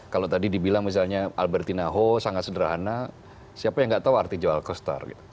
kalau tadi dibilang misalnya albertina ho sangat sederhana siapa yang nggak tahu arti jual costar